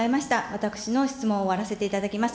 私の質問を終わらせていただきます。